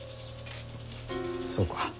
そうか。